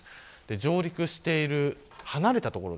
上陸している離れた所